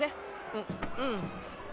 ううん。